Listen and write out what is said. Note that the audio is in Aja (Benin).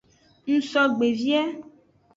Ngsogbe vie.